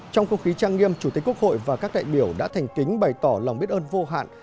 trong không khí trang nghiêm chủ tịch quốc hội và các đại biểu đã thành kính bày tỏ lòng biết ơn vô hạn